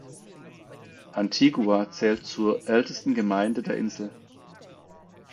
Antigua zählt zur ältesten Gemeinde der Insel.